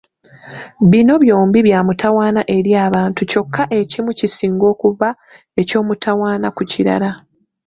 Bino byombi bya mutawaana eri abantu kyokka ekimu kisinga okuba eky’omutawaana ku kirala.